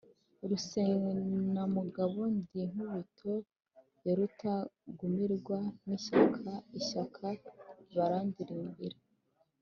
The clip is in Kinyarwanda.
Rusenamugabo ndi inkubito ya Rutagumirwa n’ishyaka, ishyaka barandilimba.